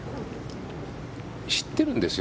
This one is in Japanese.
知ってるんですよ